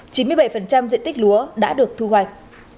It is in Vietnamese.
chín mươi bảy diện tích lúa đã được thu hoạch